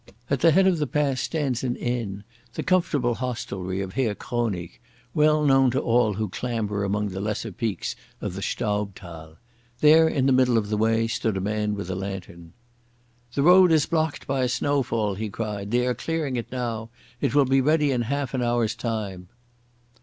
At the head of the pass stands an inn, the comfortable hostelry of Herr Kronig, well known to all who clamber among the lesser peaks of the Staubthal. There in the middle of the way stood a man with a lantern. "The road is blocked by a snowfall," he cried. "They are clearing it now. It will be ready in half an hour's time."